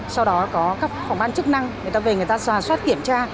sau đó có các phòng ban chức năng người ta về người ta xoá xoát kiểm tra